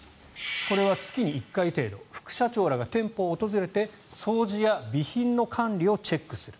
これは月に１回程度副社長らが店舗を訪れて掃除や備品の管理をチェックする。